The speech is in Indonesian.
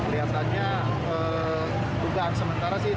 di situ api merebet